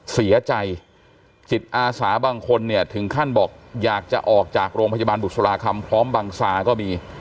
เสียใจจิตอาสาบางคนเนี่ยถึงขั้นบอกอยากจะออกจากโรงพยาบาลบุษราคำพร้อมบังซาก็มี